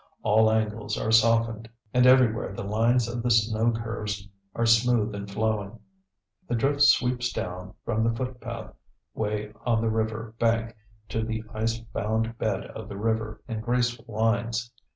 All angles are softened, and everywhere the lines of the snow curves are smooth and flowing. The drift sweeps down from the footpath way on the river bank to the ice bound bed of the river in graceful lines.